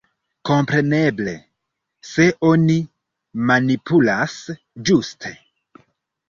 Kompreneble, se oni manipulas ĝuste.